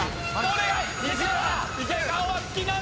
お願い！